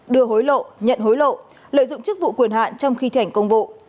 đưa hối lộ nhận hối lộ lợi dụng chức vụ quyền hạn trong khi thảnh công vụ